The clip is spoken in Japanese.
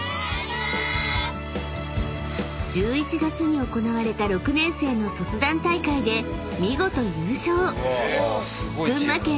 ［１１月に行われた６年生の卒団大会で見事優勝］